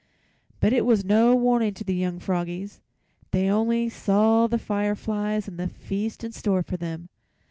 But it was no warning to the young froggies; they only saw the fireflies and the feast in store for them.